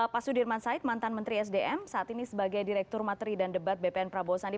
pak sudirman said mantan menteri sdm saat ini sebagai direktur materi dan debat bpn prabowo sandi